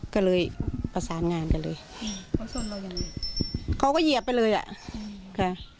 ก็เลยประสานงานกันเลยเขาก็เหยียบไปเลยอ่ะค่ะ